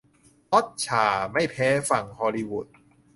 ฮอตฉ่าไม่แพ้ฝั่งฮอลลีวูด